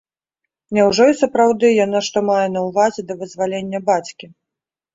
Няўжо і сапраўды яна што мае на ўвазе да вызвалення бацькі?